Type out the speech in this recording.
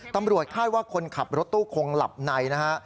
ตำรวจคาดว่าคนขับรถตู้คงหลับในนะฮะ